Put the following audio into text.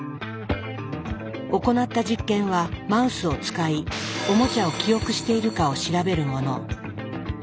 行った実験はマウスを使いおもちゃを記憶しているかを調べるもの。